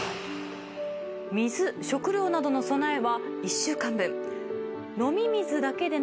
水、食料などの備えは１週間で。